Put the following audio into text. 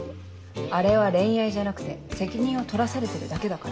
あれは恋愛じゃなくて責任を取らされてるだけだから。